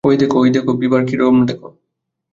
ওই দেখো, ওই দেখো বিভার রকম দেখো।